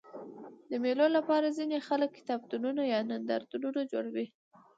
د مېلو له پاره ځيني خلک کتابتونونه یا نندارتونونه جوړوي.